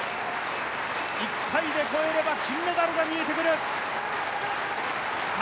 １回で越えれば金メダルが見えてくる。